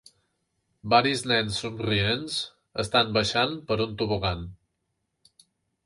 Varis nens somrients estan baixant per un tobogan.